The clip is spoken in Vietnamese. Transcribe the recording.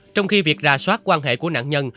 trong khi việc ra soát quan hệ của nạn nhân